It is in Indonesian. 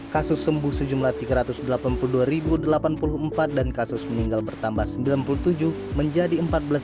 kasus sembuh sejumlah tiga ratus delapan puluh dua delapan puluh empat dan kasus meninggal bertambah sembilan puluh tujuh menjadi empat belas dua puluh